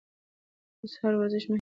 د سهار ورزش مه هېروئ.